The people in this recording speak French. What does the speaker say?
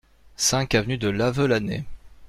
cinq avenue de Lavelanet